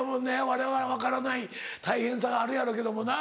われわれ分からない大変さがあるやろうけどもな。